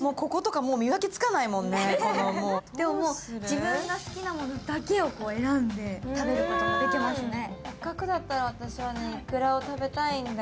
自分が好きなものだけを選んで食べることができますね。